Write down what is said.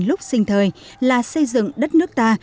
lúc sinh thời là xây dựng đất nước ta